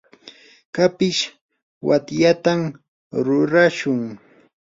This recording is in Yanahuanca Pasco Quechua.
kapish watyatam rurashun.